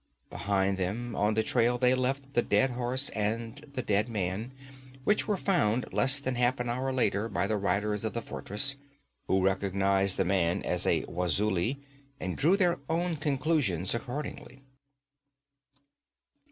Behind them on the trail they left the dead horse and the dead man, which were found less than half an hour later by the riders from the fortress, who recognized the man as a Wazuli and drew their own conclusions accordingly.